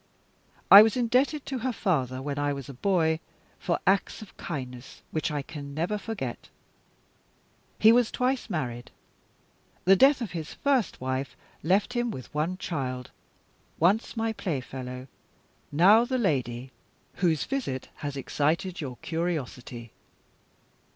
I was indebted to her father, when I was a boy, for acts of kindness which I can never forget. He was twice married. The death of his first wife left him with one child once my playfellow; now the lady whose visit has excited your curiosity.